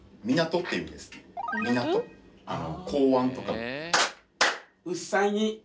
港湾とか。